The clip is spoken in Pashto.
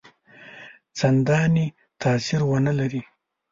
څنداني تاثیر ونه لري.